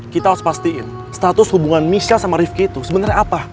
kita harus pastiin status hubungan misha sama rifki itu sebenarnya apa